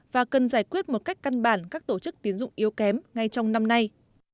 và cần giải quyết một cách căn bản các tổ chức tiến dụng yếu kém ngay trong năm nay